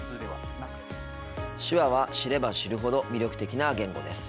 手話は知れば知るほど魅力的な言語です。